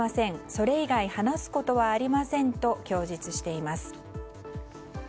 それ以外話すことはありませんと供述しています。